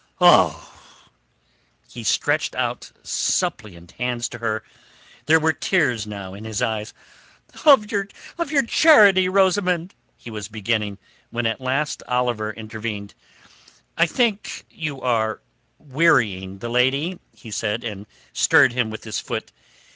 Oh!" He stretched out suppliant hands to her; there were tears now in his eyes. "Of your charity, Rosamund...." he was beginning, when at last Oliver intervened: "I think you are wearying the lady," he said, and stirred him with his foot.